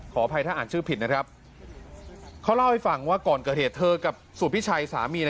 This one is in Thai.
อภัยถ้าอ่านชื่อผิดนะครับเขาเล่าให้ฟังว่าก่อนเกิดเหตุเธอกับสุพิชัยสามี